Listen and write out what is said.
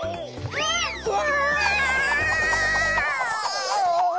うわ！